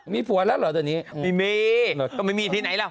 มีผัวแล้วหรอตอนนี้โอ้โหไม่มียังไม่มีที่ไหนแล้ว